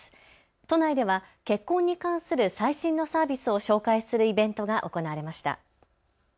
都内では結婚に関する最新のサービスを紹介するイベントが行われました。